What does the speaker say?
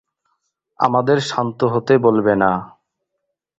আমাদের শান্ত হতে বলবে না।